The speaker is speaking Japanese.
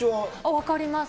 分かります。